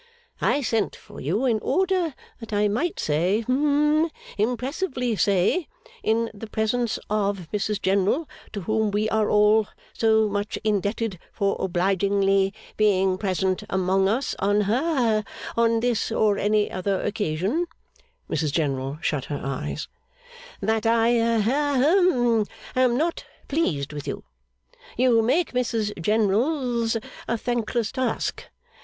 I sent for you, in order that I might say hum impressively say, in the presence of Mrs General, to whom we are all so much indebted for obligingly being present among us, on ha on this or any other occasion,' Mrs General shut her eyes, 'that I ha hum am not pleased with you. You make Mrs General's a thankless task.